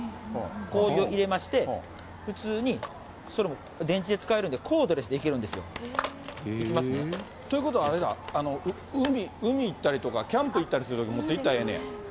氷を入れまして、普通に、それも電池で使えるんで、コードレスでいけるんですよ。ということはあれだ、海行ったりとか、キャンプ行ったりするときに、持って行ったらええねや。